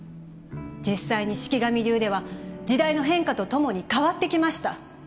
実際に四鬼神流では時代の変化と共に変わってきました